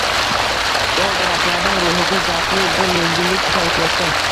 Dov-daraxtlardan ruhiga zavqli bir yengillik ato etayotgan